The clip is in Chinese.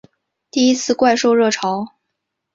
第一次怪兽热潮